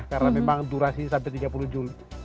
karena memang durasi sampai tiga puluh juli